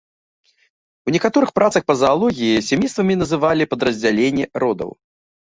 У некаторых працах па заалогіі сямействамі называлі падраздзялення родаў.